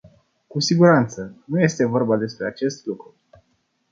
Cu siguranță, nu este vorba despre acest lucru.